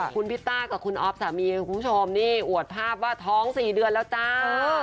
คุณพิตต้ากับคุณอ๊อฟสามีคุณผู้ชมนี่อวดภาพว่าท้อง๔เดือนแล้วจ้า